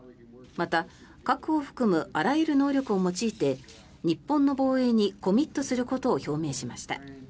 また、核を含むあらゆる能力を用いて日本の防衛にコミットすることを表明しました。